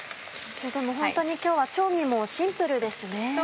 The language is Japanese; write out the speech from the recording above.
ホントに今日は調味もシンプルですね。